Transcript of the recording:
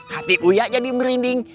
hati buaya jadi merinding